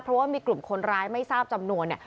เพราะว่ามีกลุ่มคนร้ายไม่ทราบจำนวนเนี่ย